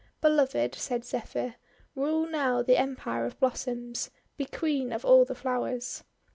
"Beloved," said Zephyr, "rule now the Em pire of Blossoms! Be Queen of all the Flowers!'